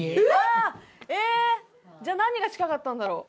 えじゃあ何が近かったんだろう？